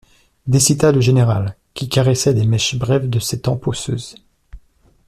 Décida le général, qui caressait les mèches brèves de ses tempes osseuses.